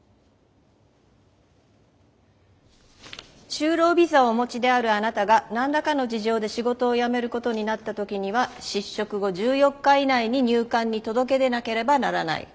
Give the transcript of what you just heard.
就労ビザをお持ちであるあなたが何らかの事情で仕事を辞めることになった時には失職後１４日以内に入管に届け出なければならない。